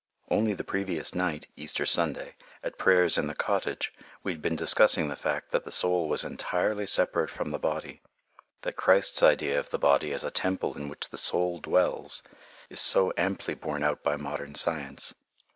Only the previous night (Easter Sunday) at prayers in the cottage, we had been discussing the fact that the soul was entirely separate from the body, that Christ's idea of the body as the temple in which the soul dwells is so amply borne out by modern science.